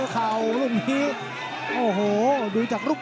ตามต่อยกที่๓ครับ